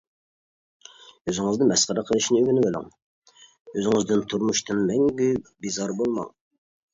ئۆزىڭىزنى مەسخىرە قىلىشنى ئۆگىنىۋېلىڭ، ئۆزىڭىزدىن، تۇرمۇشتىن مەڭگۈ بىزار بولماڭ.